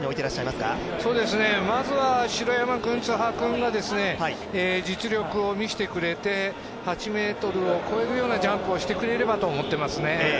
まずは城山君、津波君が実力を見せてくれて、８ｍを越えるようなジャンプをしてくれればと思ってますね。